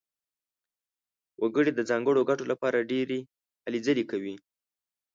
وګړي د ځانګړو ګټو لپاره ډېرې هلې ځلې کوي.